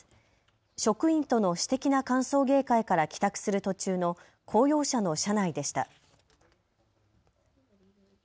職員との私的な歓送迎会から帰宅する途中の公用車の車内でした。